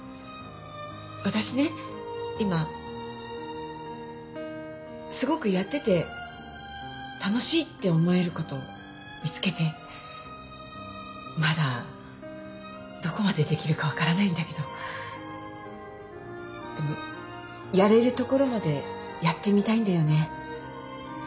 私ね今すごくやってて楽しいって思えること見つけてまだどこまでできるか分からないんだけどでもやれるところまでやってみたいんだよね。